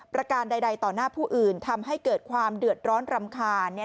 ประการใดต่อหน้าผู้อื่นทำให้เกิดความเดือดร้อนรำคาญ